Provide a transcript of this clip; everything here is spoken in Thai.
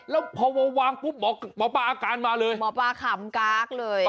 แล้วพอวางปุ๊บหมอปลาอาการมาเลยหมอปลาขำก๊ากเลย